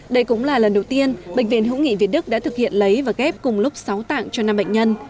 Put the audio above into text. đây cũng là lần đầu tiên bệnh viện hữu nghị việt đức đã thực hiện lấy và ghép cùng lúc sáu tạng cho năm bệnh nhân